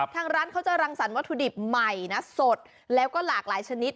ทางร้านเขาจะรังสรรควัตถุดิบใหม่นะสดแล้วก็หลากหลายชนิด